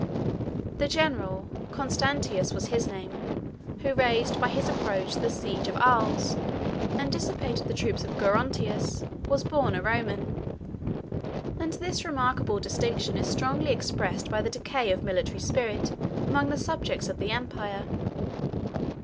] The general, (Constantius was his name,) who raised by his approach the siege of Arles, and dissipated the troops of Gerontius, was born a Roman; and this remarkable distinction is strongly expressive of the decay of military spirit among the subjects of the empire.